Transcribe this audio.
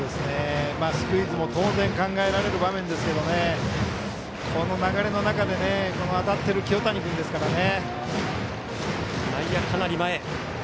スクイズも当然考えられる場面ですがこの流れの中で当たってる清谷君ですからね。